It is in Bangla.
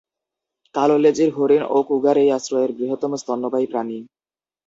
কালো লেজের হরিণ ও কুগার এই আশ্রয়ের বৃহত্তম স্তন্যপায়ী প্রাণী।